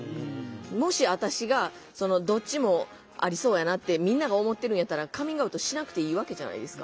もし私がどっちもありそうやなってみんなが思ってるんやったらカミングアウトしなくていいわけじゃないですか。